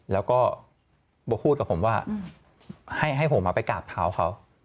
แล้วก็มาพูดกับผมว่าให้ผมไปกราบเท้าเขา